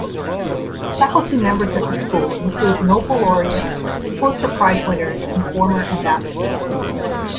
Faculty members at the School include Nobel Laureates, Pulitzer Prize winners, and former ambassadors.